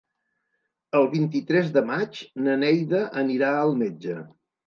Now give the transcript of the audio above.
El vint-i-tres de maig na Neida anirà al metge.